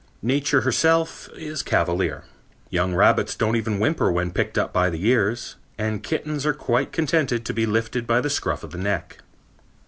Nature herself is cavalier. Young rabbits don't even whimper when picked up by the ears, and kittens are quite contented to be lifted by the scruff of the neck.